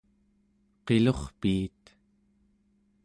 qilurpiit